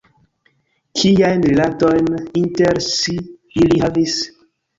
Kiajn rilatojn inter si ili havis?